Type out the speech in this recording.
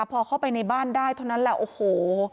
พอเข้าไปในบ้านได้เท่านั้นแหละโอ้โห